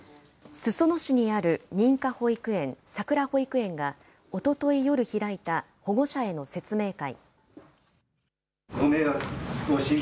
裾野市にある認可保育園、さくら保育園が、おととい夜開いた保護者への説明会。